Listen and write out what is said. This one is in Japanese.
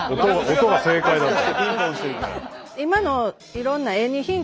音が正解だった。